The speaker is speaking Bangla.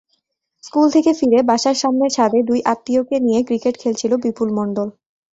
স্কুল থেকে ফিরে বাসার সামনের ছাদে দুই আত্মীয়কে নিয়ে ক্রিকেট খেলছিল বিপুল মণ্ডল।